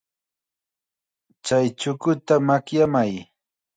Chay chukuta makyamay.